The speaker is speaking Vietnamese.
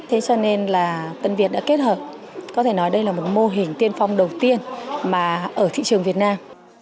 thế cho nên là tân việt đã kết hợp có thể nói đây là một mô hình tiên phong đầu tiên mà ở thị trường việt nam